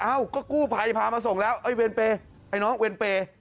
อ้าวก็กู้ภัยพามาส่งแล้วเวียนเปย์ไอ้น้องเวียนเปย์